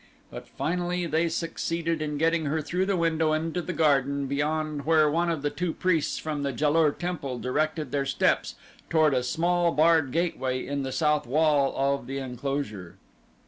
But finally they succeeded in getting her through the window and into the garden beyond where one of the two priests from the Ja lur temple directed their steps toward a small barred gateway in the south wall of the enclosure.